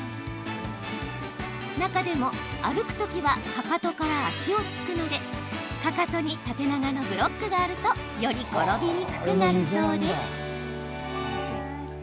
中でも、歩くときはかかとから足を着くのでかかとに縦長のブロックがあるとより転びにくくなるそうです。